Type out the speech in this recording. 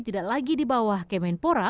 tidak lagi di bawah kemenpora